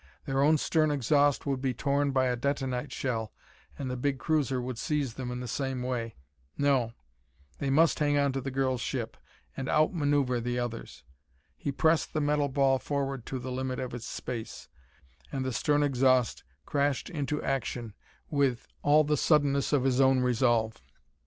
Their own stern exhaust would be torn by a detonite shell, and the big cruiser would seize them in the same way. No they must hang onto the girl's ship and outmaneuver the others. He pressed the metal ball forward to the limit of its space, and the stern exhaust crashed into action with all the suddenness of his own resolve.